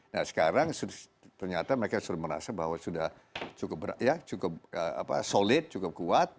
nah sekarang ternyata mereka sudah merasa bahwa sudah cukup solid cukup kuat